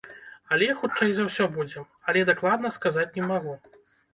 Але, хутчэй за ўсё, будзем, але дакладна сказаць не магу.